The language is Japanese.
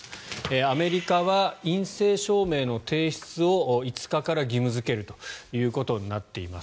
アメリカは陰性証明の提出を５日から義務付けるということになっています。